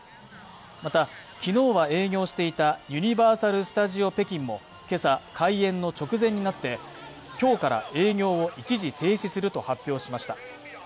また、昨日は営業していたユニバーサル・スタジオ・北京も今朝、開園の直前になって今日から営業を一時停止すると発表しました。